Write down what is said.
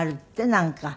なんか。